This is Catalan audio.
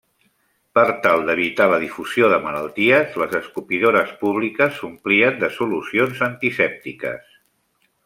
Per tal d'evitar la difusió de malalties, les escopidores públiques s'omplien de solucions antisèptiques.